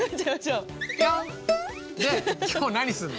で今日何すんの？